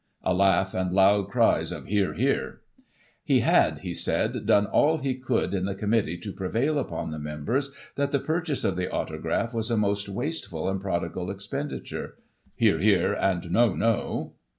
(A laugh, and loud cries of " Hear, hear.") He had, he said, done all he could in the Committee, to prevail upon the members that the purchase of the autograph was a most wasteful and prodigal expenditure. ("Hear, hear," and "No, no.")